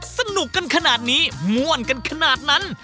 สนุกกันขนาดนี้ม่วนกันขนาดนั้น